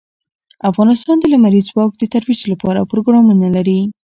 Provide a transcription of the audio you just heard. افغانستان د لمریز ځواک د ترویج لپاره پروګرامونه لري.